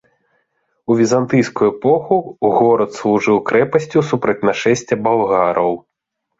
У візантыйскую эпоху горад служыў крэпасцю супраць нашэсця балгараў.